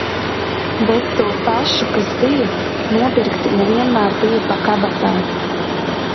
Bet to pašu, kas bija, nopirkt ne vienmēr bija pa kabatai.